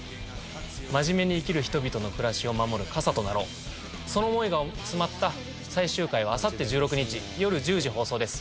真面目に生きる人々の暮らしを守る傘となろうその思いが詰まった最終回はあさって１６日よる１０時放送です